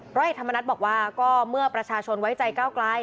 โดยอาทิตย์ธรรมนัทบอกว่าก็เมื่อประชาชนไว้ใจเก้าไกล